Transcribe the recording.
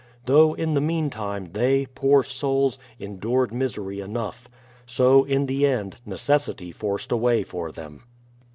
Though in the meantime, they, poor souls, endured misery enough. So in the end, necessity forced a way for them.